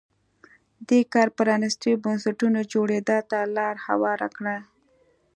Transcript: دې کار پرانیستو بنسټونو جوړېدا ته لار هواره کړه.